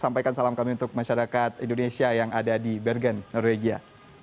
sampaikan salam kami untuk masyarakat indonesia yang ada di bergen norwegia